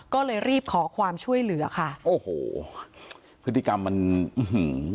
ก็เลยรีบขอความช่วยเหลือค่ะโอ้โหพฤติกรรมมันอื้อหือ